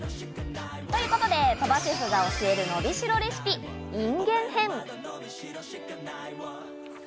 ということで鳥羽シェフが教えるのびしろレシピ、インゲン編。